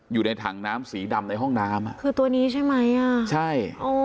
อยู่ในถังน้ำสีดำในห้องน้ำอ่ะคือตัวนี้ใช่ไหมอ่ะใช่โอ้